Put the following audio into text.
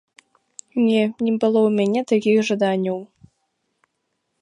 Не, не было ў мяне такіх жаданняў.